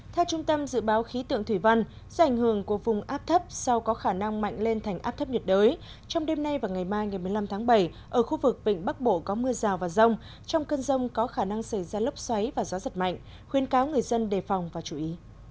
theo trung tâm dự báo khí tượng thủy văn do ảnh hưởng của vùng áp thấp sau có khả năng mạnh lên thành áp thấp nhiệt đới trong đêm nay và ngày mai ngày một mươi năm tháng bảy ở khu vực vịnh bắc bộ có mưa rào và rông trong cơn rông có khả năng xảy ra lốc xoáy và gió giật mạnh khuyên cáo người dân đề phòng và chú ý